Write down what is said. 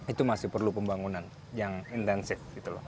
itu masih perlu pembangunan yang intensif